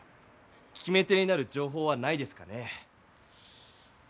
決め手になるじょうほうはないですかね？